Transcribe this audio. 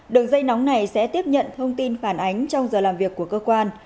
đường dây nóng này sẽ tiếp nhận thông tin phản ánh trong giờ làm việc của cơ quan